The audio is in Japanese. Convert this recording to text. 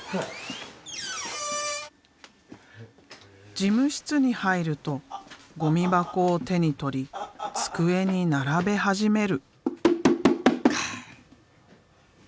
事務室に入るとゴミ箱を手に取り机に並べ始める。